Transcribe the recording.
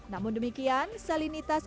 namun demikian salinitas